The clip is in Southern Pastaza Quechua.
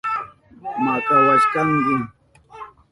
Makawashkanki.